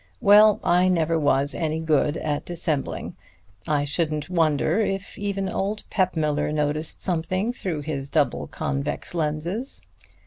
Well, I never was any good at dissembling. I shouldn't wonder if even old Peppmüller noticed something through his double convex lenses.